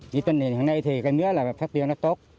với tình hình hôm nay thì mía phát triển tốt